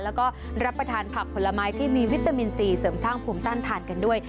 แล้วก็รับประทานผักผลไม้ที่มีวิตามินซีเสริมสร้างภูมิต้านทานกันด้วย